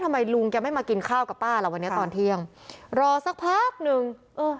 ทำไมลุงแกไม่มากินข้าวกับป้าล่ะวันนี้ตอนเที่ยงรอสักพักหนึ่งเออ